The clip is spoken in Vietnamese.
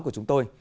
của chúng tôi